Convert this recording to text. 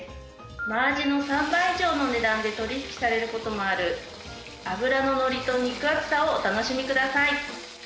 真アジの３倍以上の値段で取引されることもある脂ののりと肉厚さをお楽しみください。